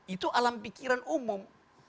itu alam pikiran umum